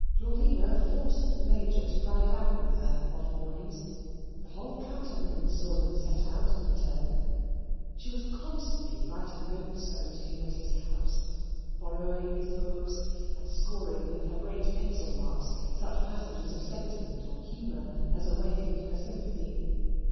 Glorvina forced the Major to ride with her of mornings. The whole cantonment saw them set out and return. She was constantly writing notes over to him at his house, borrowing his books, and scoring with her great pencil marks such passages of sentiment or humour as awakened her sympathy.